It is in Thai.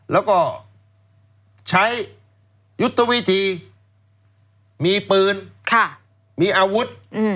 แล้วก็ใช้ยุทธวิธีมีปืนมีอาวุธ